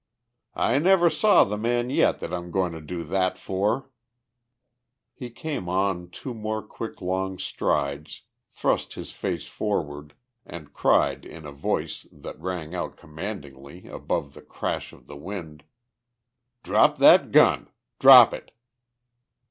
"I never saw the man yet that I'm going to do that for." He came on two more quick, long strides, thrust his face forward and cried in a voice that rang out commandingly above the crash of the wind, "_Drop that gun! Drop it!